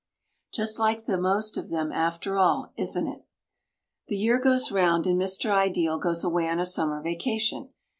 Just like the most of them after all, isn't he? The year goes round and Mr. Ideal goes away on a summer vacation.